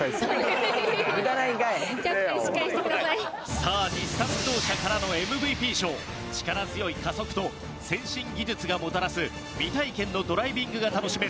さあ日産自動車からのＭＶＰ賞力強い加速と先進技術がもたらす未体験のドライビングが楽しめる